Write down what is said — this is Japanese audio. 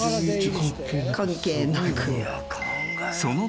関係なく。